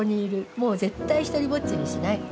もう絶対独りぼっちにしない。